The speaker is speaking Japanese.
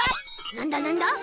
なんだなんだ？